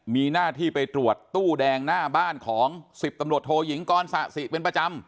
มีหน้าที่ไปตรวจตู้แดงหน้าบ้านของ๑๐ตำรวจโทยิงกรสะสิเป็นประจำ